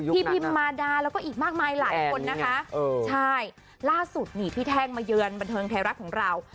พิมมาดาแล้วก็อีกมากมายหลายคนนะคะใช่ล่าสุดนี่พี่แท่งมาเยือนบันเทิงไทยรัฐของเรา